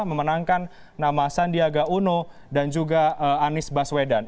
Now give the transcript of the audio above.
memenangkan nama sandiaga uno dan juga anies baswedan